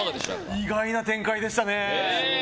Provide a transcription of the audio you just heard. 意外な展開でしたね。